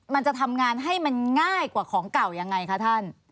มันจะทำงานให้มันง่ายกว่าของเก่ายังไงคะท่าน